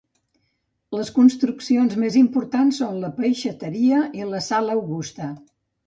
Les construccions més importants són la peixateria i la Sala Augusta.